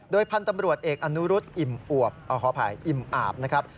โดยพันธุ์ตำรวจเอกอนุรุษอิ่มอาบ